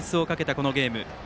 このゲーム。